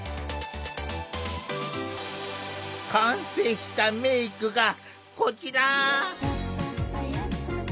完成したメークがこちら！